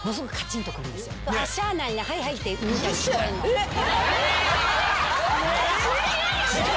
えっ！